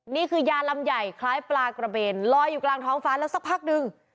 นี่คือยาลำใหญ่คล้ายปลากระเบนลอยอยู่กลางท้องฟ้าแล้วสักพักหนึ่ง